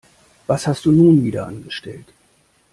Was hast du nun wieder angestellt?